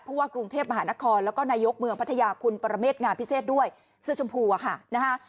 ว่ากรุงเทพมหานครแล้วก็นายกเมืองพัทยาคุณปรเมษงามพิเศษด้วยเสื้อชมพูอะค่ะนะฮะ